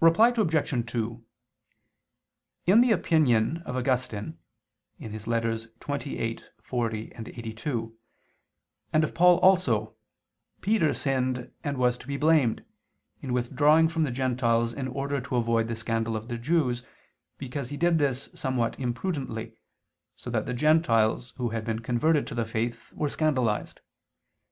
Reply Obj. 2: In the opinion of Augustine (Ep. xxviii, xl, lxxxii) and of Paul also, Peter sinned and was to be blamed, in withdrawing from the gentiles in order to avoid the scandal of the Jews, because he did this somewhat imprudently, so that the gentiles who had been converted to the faith were scandalized.